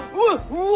うわ！